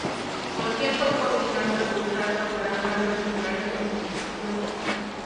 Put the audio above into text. Cualquier cuerpo orbitando el púlsar causarán cambios regulares en su pulsación.